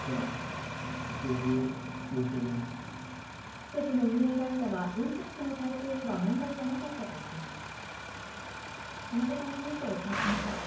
施設の運営会社は、運転手の体調には問題はなかったとしています。